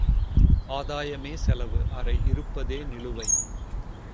ஆதாயமே செலவு அறை இருப்பதே நிலுவை.